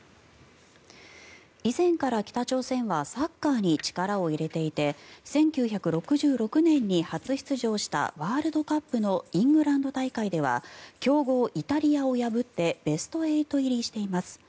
以前から北朝鮮はサッカーに力を入れていて１９６６年に初出場したワールドカップのイングランド大会では強豪イタリアを破ってベスト８入りしています。